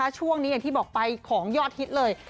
ช่วงนี้อย่างที่บอกไปของยอดฮิตเลย